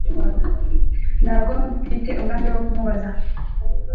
Ntabwo mfite umugambi wo kumubaza